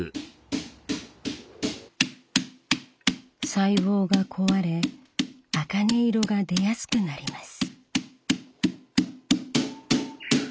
細胞が壊れ茜色が出やすくなります。